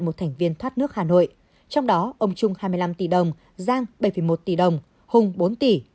một thành viên thoát nước hà nội trong đó ông trung hai mươi năm tỷ đồng giang bảy một tỷ đồng hùng bốn tỷ